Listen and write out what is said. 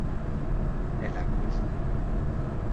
Elle a grandi.